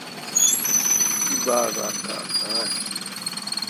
تی باڑ ران کار تھال۔